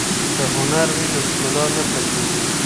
که هنر وي نو ښکلا نه پټیږي.